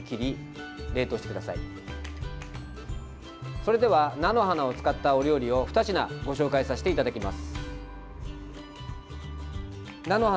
それでは菜の花を使ったお料理を２品ご紹介させていただきます。